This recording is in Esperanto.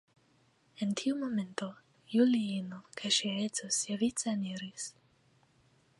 En tiu momento Juliino kaj ŝia edzo siavice eniris.